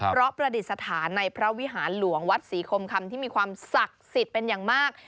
เพราะประดิษฐานในพระวิหารหลวงวัดศรีคมคำที่มีความศักดิ์สิทธิ์เป็นอย่างมาก